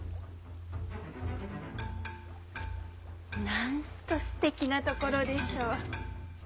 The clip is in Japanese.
なんとすてきな所でしょう。